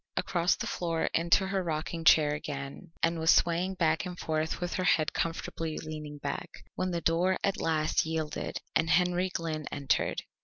Across the floor into her rocking chair again, and was swaying back and forth with her head comfortably leaning back, when the door at last yielded and Henry Glynn entered.